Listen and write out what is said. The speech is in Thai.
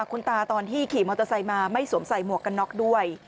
คุณตาตอนที่ขี่มอเตอร์ไซค์มาไม่สวมใส่หมวกกันน็อกด้วย